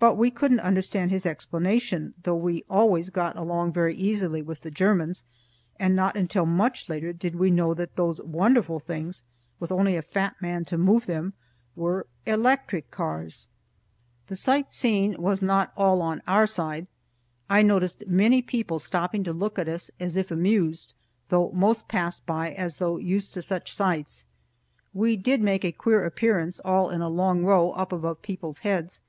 But we couldn't understand his explanation, though we always got along very easily with the Germans, and not until much later did we know that those wonderful things, with only a fat man to move them, were electric cars. The sightseeing was not all on our side. I noticed many people stopping to look at us as if amused, though most passed by as though used to such sights. We did make a queer appearance all in a long row, up above people's heads.